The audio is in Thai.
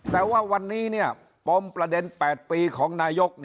แต่ว่าวันนี้ปมประเด็น๘ปีของนายก